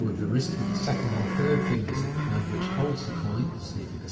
of the wrist with the second and third ringers of the hand which holds the coin (see Fig.